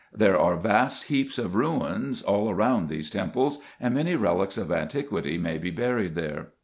There are vast heaps of ruins all round these temples, and many relics of antiquity may be buried there.